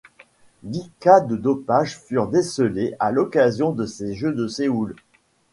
Dix cas de dopage furent décelés à l'occasion de ces jeux de Séoul.